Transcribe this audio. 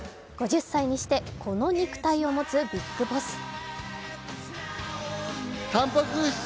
５０歳にして、この肉体を持つビッグボス。